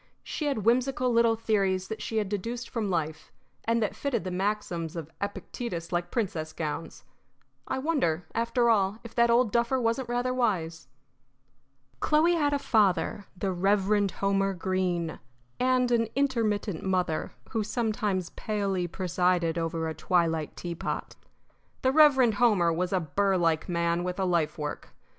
She had whimsical little theories that she had deduced from life, and that fitted the maxims of Epictetus like princess gowns. I wonder, after all, if that old duffer wasn't rather wise! Chloe had a father, the Reverend Homer Greene, and an intermittent mother, who sometimes palely presided over a twilight teapot. The Reverend Homer was a burr like man with a life work.